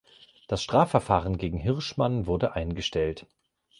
Das Strafverfahren gegen Hirschmann wurde eingestellt.